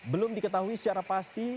belum diketahui secara pasti